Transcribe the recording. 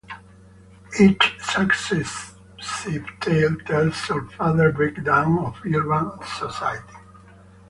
Each successive tale tells of further breakdown of urban society.